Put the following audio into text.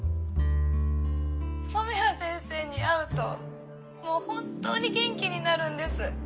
染谷先生に会うともう本当に元気になるんです。